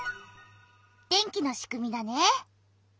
電気のしくみだね。